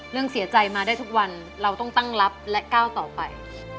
เรื่องเสียใจมาได้ทุกวันเราต้องตั้งรับและก้าวต่อไป